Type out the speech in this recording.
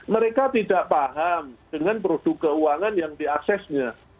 mereka tidak paham dengan produk keuangan yang diaksesnya